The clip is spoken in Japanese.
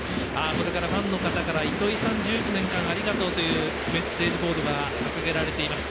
それからファンの方から糸井さん１９年間ありがとうというメッセージボードを掲げています。